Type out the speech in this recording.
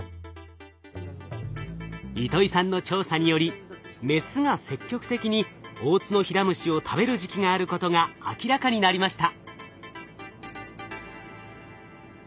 糸井さんの調査によりメスが積極的にオオツノヒラムシを食べる時期があることが明らかになりました。